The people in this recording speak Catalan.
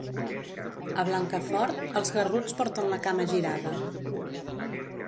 A Blancafort, els garruts porten la cama girada.